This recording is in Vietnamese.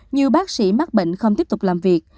nhiều bác sĩ mắc bệnh không tiếp tục làm việc